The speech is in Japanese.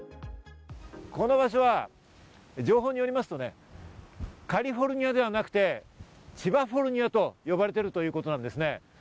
この場所は、情報によりますとカリフォルニアではなくて千葉フォルニアと呼ばれているということなんですね。